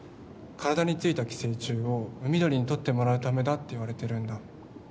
体に付いた寄生虫を海鳥に取ってもらうためだっていわれてるんだ。